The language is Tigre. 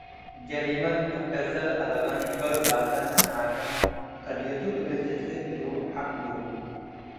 ጀሪመት እብ ገዘ ለአለበን ሑር ላተን መሓክም ቅድየቱ እግል ትትረኤ እሉ ሐቅ ቡ።